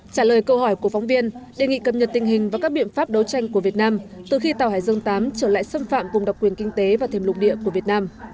trả lời câu hỏi của phóng viên đề nghị cập nhật tình hình và các biện pháp đấu tranh của việt nam từ khi tàu hải dương viii trở lại xâm phạm vùng độc quyền kinh tế và thềm lục địa của việt nam